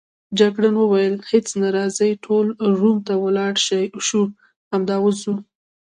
جګړن وویل: هیڅ نه، راځئ ټول روم ته ولاړ شو، همدا اوس ځو.